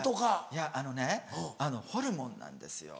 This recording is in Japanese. いやあのねあのホルモンなんですよ。